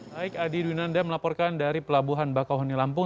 baik adi dunanda melaporkan dari pelabuhan bakauheni lampung